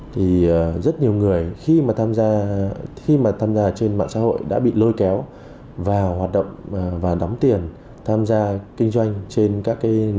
thì rất nhiều người khi mà tham gia trên mạng xã hội đã bị lôi kéo vào hoạt động và đóng tiền tham gia kinh doanh trên các cái nền tảng